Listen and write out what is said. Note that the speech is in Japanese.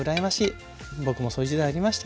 僕もそういう時代ありましたよ。